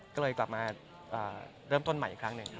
ก็เลยกลับมาเริ่มต้นใหม่อีกครั้งหนึ่ง